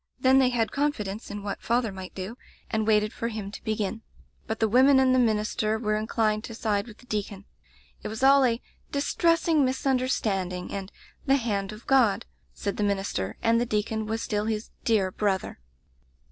Then they had con fidence in what father might do, and waited [loi] Digitized by LjOOQ IC Interventions for him to begin. But the women and the minister were inclined to side with the deacon. It was all a 'distressing misunder standing' and 'the hand of God/ said the minister, and the deacon was still his 'dear brother.'